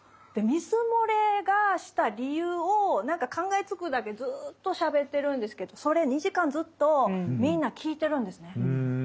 で水漏れがした理由を何か考えつくだけずっとしゃべってるんですけどそれ２時間ずっとみんな聞いてるんですね。